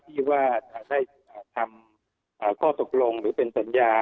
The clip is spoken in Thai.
ที่ว่าจะได้ทำข้อตกลงหรือเป็นสัญญา